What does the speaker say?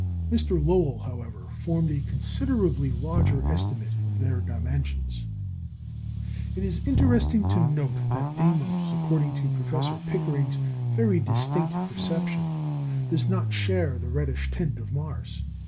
Mr. Lowell, however, formed a considerably larger estimate of their dimensions. It is interesting to note that Deimos, according to Professor Pickering's very distinct perception, does not share the reddish tint of Mars.